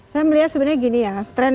saya melihat sebenarnya gini ya tren